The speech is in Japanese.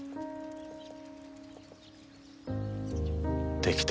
できた